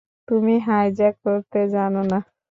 তুমি হাইজ্যাক করতে জানো না?